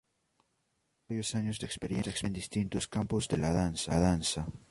Tiene varios años de experiencia en distintos campos de la danza.